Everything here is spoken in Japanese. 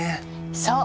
そう！